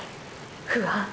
不安？